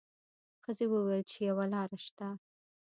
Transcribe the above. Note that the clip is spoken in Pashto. ښځې وویل چې یوه لار شته.